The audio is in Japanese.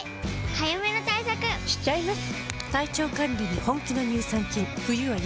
早めの対策しちゃいます。